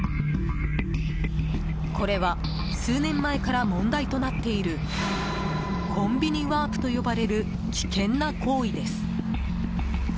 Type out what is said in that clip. これは数年前から問題となっているコンビニワープと呼ばれる危険な行為です。